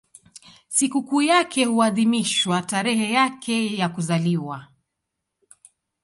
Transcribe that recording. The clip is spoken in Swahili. Sikukuu yake huadhimishwa tarehe yake ya kuzaliwa.